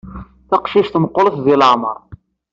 Taqcict-a meqqert di leɛmeṛ.